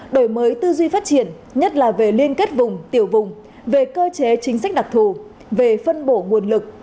đổi mới tư duy phát triển nhất là về liên kết vùng tiểu vùng về cơ chế chính sách đặc thù về phân bổ nguồn lực